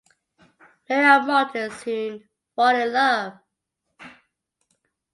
Mary and Martin soon fall in love.